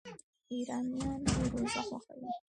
ایرانیان فیروزه خوښوي.